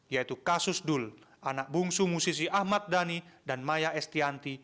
yaitu kasus dul anak bungsu musisi ahmad dhani dan maya estianti